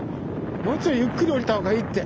もうちょいゆっくり下りた方がいいって。